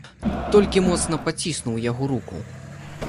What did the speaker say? Толькі моцна паціснуў яго руку.